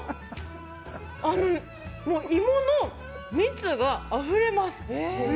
もう、芋の蜜があふれます！